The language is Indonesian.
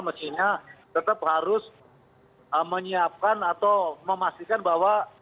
mestinya tetap harus menyiapkan atau memastikan bahwa